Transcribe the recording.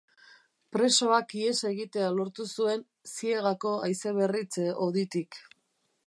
Presoak ihes egitea lortu zuen ziegako haizeberritze hoditik.